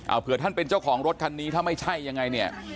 เอาเผื่อท่านเป็นเจ้าของรถคันนี้ถ้าไม่ใช่ยังไงเนี่ย